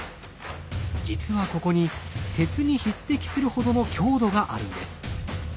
実はここに鉄に匹敵するほどの強度があるんです。